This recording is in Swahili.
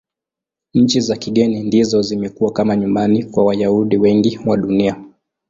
Nchi za kigeni ndizo zimekuwa kama nyumbani kwa Wayahudi wengi wa Dunia.